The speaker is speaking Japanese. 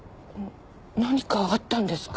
何かあったんですか？